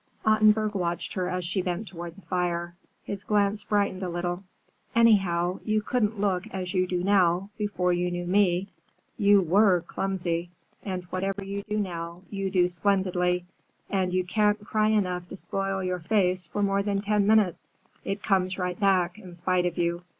Ottenburg watched her as she bent toward the fire. His glance brightened a little. "Anyhow, you couldn't look as you do now, before you knew me. You were clumsy. And whatever you do now, you do splendidly. And you can't cry enough to spoil your face for more than ten minutes. It comes right back, in spite of you.